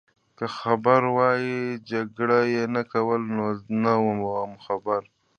که خبر وای جګړه يې نه کول، نو نه وو خبر.